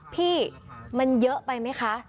พี่มันเยอะไปมั้ยคะ